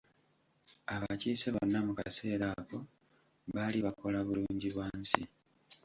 Abakiise bonna mu kaseera ako baali bakola bulungi bwa nsi.